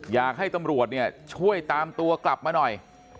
อยากให้ตำรวจเนี่ยช่วยตามตัวกลับมาหน่อย